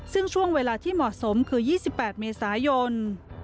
ซึ่งช่วงเวลาที่เหมาะสมคือ๒๘เมษายน